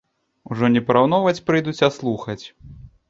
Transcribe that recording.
Ужо не параўноўваць прыйдуць, а слухаць.